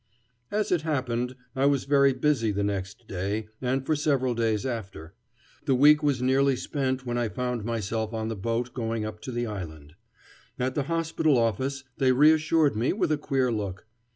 As it happened, I was very busy the next day and for several days after. The week was nearly spent when I found myself on the boat going up to the island. At the hospital office they reassured me with a queer look.